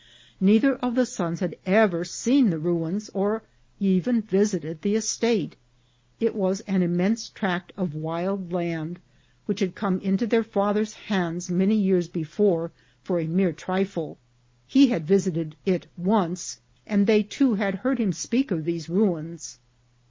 Neither of the sons had ever seen the ruins or even visited the estate. It was an immense tract of wild land, which had come into their father's hands many years before for a mere trifle. He had visited it once ; and they too had heard him speak of these ruins.